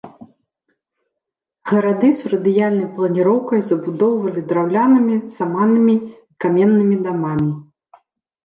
Гарады з радыяльнай планіроўкай забудоўвалі драўлянымі, саманнымі і каменнымі дамамі.